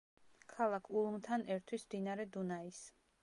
ქალაქ ულმთან ერთვის მდინარე დუნაის.